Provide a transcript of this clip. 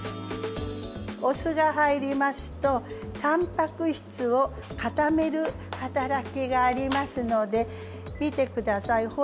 お酢が入りますとたんぱく質を固める働きがありますので見て下さい。